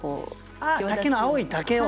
あっ竹の青い竹を。